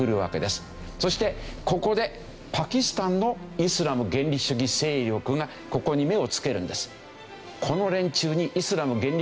そしてここでパキスタンのイスラム原理主義勢力がここに目をつけるんです。